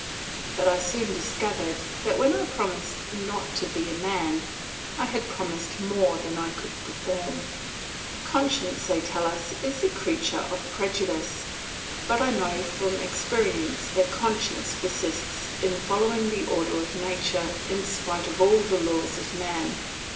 But I soon discovered that when I promised not to be a man, I had promised more than I could perform. Conscience, they tell us, is the creature of prejudice, but I know from experience that conscience persists in following the order of nature in spite of all the laws of man.